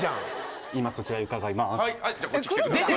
今そちらへ伺います